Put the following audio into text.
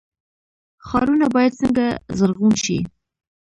ښارونه باید څنګه زرغون شي؟